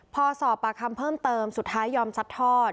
พอสอบปากคำเพิ่มเติมสุดท้ายยอมซัดทอด